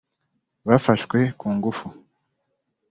bafashwe ku ngufu